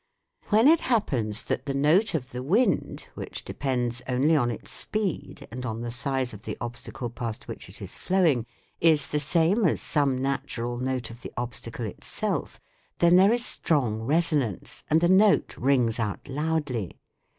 When it happens that the note of the wind, which depends only on its speed, and on the size of the obstacle past which it is flowing, is the same as some natural note of the obstacle itself, then there is strong resonance and the note rings out loudly.